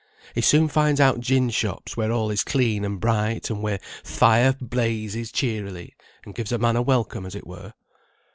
He soon finds out gin shops, where all is clean and bright, and where th' fire blazes cheerily, and gives a man a welcome as it were."